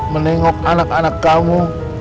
menengok anak anak kamu